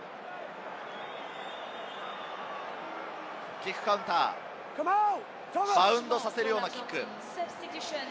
キックカウンター、バウンドさせるようなキック。